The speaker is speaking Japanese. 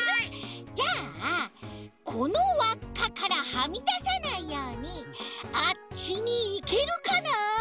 じゃあこのわっかからはみださないようにあっちにいけるかな？